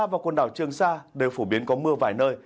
và quần đảo trường sa đều phổ biến có mưa vài nơi